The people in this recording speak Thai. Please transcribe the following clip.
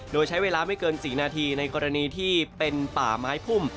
โดยใช้เวลาไม่เกิน๔นาทีในกรณีที่เป็นป่าไม้พุ่ม